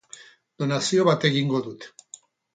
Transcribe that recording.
Donazio bat egingo dut.